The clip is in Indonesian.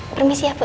permisi ya bu